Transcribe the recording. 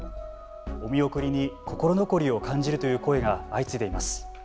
お見送りに心残りを感じるという声が相次いでいます。